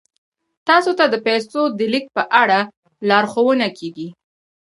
تاسو ته د پیسو د لیږد په اړه لارښوونه کیږي.